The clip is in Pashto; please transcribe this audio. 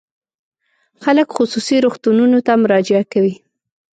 خلک خصوصي روغتونونو ته مراجعه کوي.